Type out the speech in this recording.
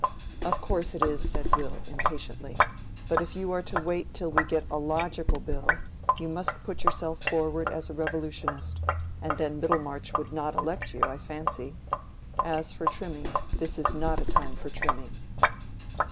"Of course it is," said Will, impatiently. "But if you are to wait till we get a logical Bill, you must put yourself forward as a revolutionist, and then Middlemarch would not elect you, I fancy. As for trimming, this is not a time for trimming."